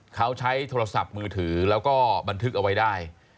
เขาใช้โทรศัพท์มือถือแล้วก็บันทึกเอาไว้ได้